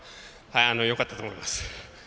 よかったと思います。